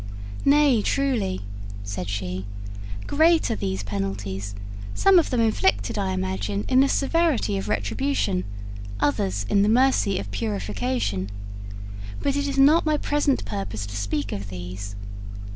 'Nay, truly,' said she, 'great are these penalties, some of them inflicted, I imagine, in the severity of retribution, others in the mercy of purification. But it is not my present purpose to speak of these.